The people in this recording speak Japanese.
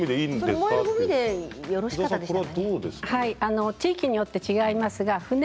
燃えるごみでよろしかったですか。